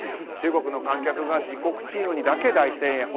中国の観客が自国チームにだけ大声援。